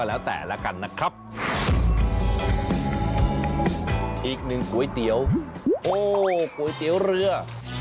ก๋วยเตี๋ยวโอ้ก๋วยเตี๋ยวเรือ